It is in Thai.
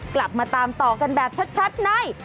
กลับมาตามต่อกันแบบชัดใน